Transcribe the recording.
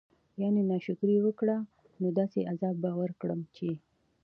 يعني نا شکري وکړه نو داسي عذاب به ورکړم چې